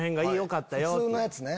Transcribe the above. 普通のやつね。